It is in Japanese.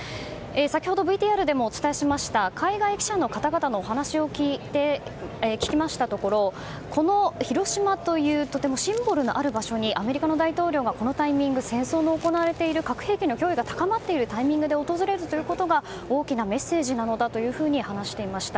先ほどＶＴＲでもお伝えしました海外記者の方々の話を聞きましたところこの広島というとてもシンボルのある場所にアメリカの大統領がこの戦争の行われている核兵器の脅威が高まっているタイミングで訪れるということが大きなメッセージなのだと話していました。